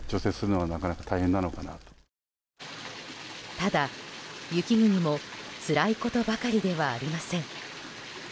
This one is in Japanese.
ただ、雪国もつらいことばかりではありません。